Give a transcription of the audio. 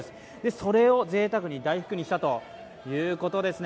それをぜいたくに大福にしたということですね。